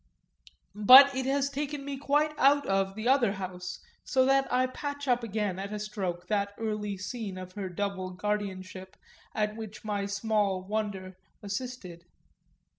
But it has taken me quite out of the other house, so that I patch up again, at a stroke, that early scene of her double guardianship at which my small wonder assisted.